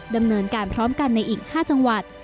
ดำเนินการพร้อมกันในอีก๕จังหวัด